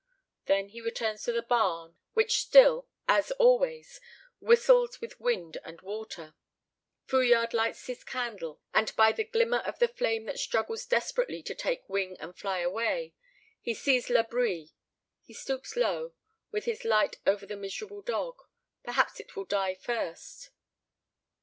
Then he returns to the barn, which still as always whistles with wind and water. Fouillade lights his candle, and by the glimmer of the flame that struggles desperately to take wing and fly away, he sees Labri. He stoops low, with his light over the miserable dog perhaps it will die first.